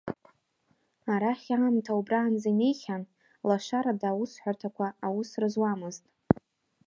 Арахь аамҭа убранӡа инеихьан, лашарада аусҳәарҭақәа аус рызуамызт.